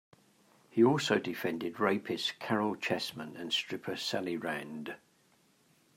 He also defended rapist Caryl Chessman and stripper Sally Rand.